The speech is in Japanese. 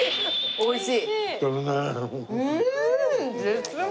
おいしい！